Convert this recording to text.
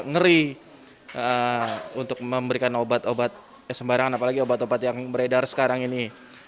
ngeri untuk memberikan obat obat sembarangan apalagi obat obat yang beredar sekarang ini